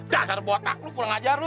dasar botak lu kurang ajar lu